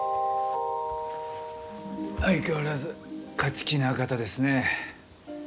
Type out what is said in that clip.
相変わらず勝ち気な方ですね。